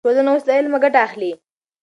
ټولنه اوس له علمه ګټه اخلي.